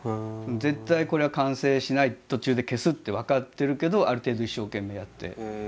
絶対これは完成しない途中で消すって分かってるけどある程度一生懸命やって。